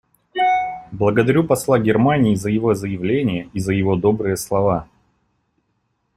Благодарю посла Германии за его заявление и за его добрые слова.